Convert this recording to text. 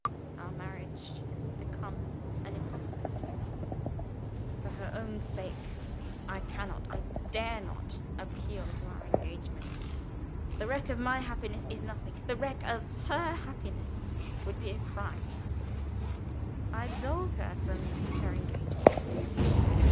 Our marriage has become an impossibility. For her own sake, I cannot, I dare not, appeal to our engagement. The wreck of my happiness is nothing. The wreck of her happiness would be a crime. I absolve her from her engagement.